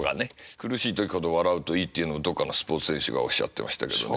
苦しい時ほど笑うといいっていうのをどこかのスポーツ選手がおっしゃってましたけどね。